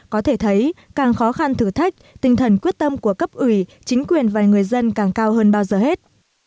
có thể thấy càng khó khăn thử thách tinh thần quyết tâm của cấp ủy chính quyền và người dân càng cao hơn bao giờ hết